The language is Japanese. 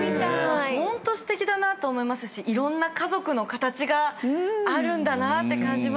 ホントすてきだなと思いますしいろんな家族の形があるんだなって感じましたね。